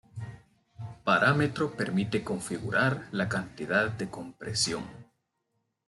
parámetro permite configurar la cantidad de compresión